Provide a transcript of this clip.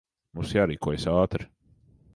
Mums jārīkojas ātri.